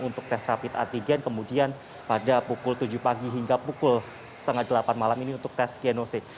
untuk tes rapid antigen kemudian pada pukul tujuh pagi hingga pukul setengah delapan malam ini untuk tes genosis